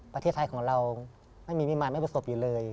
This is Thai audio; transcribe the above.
ประเทศไทยของเราไม่มีวิมารไม่ประสบอยู่เลย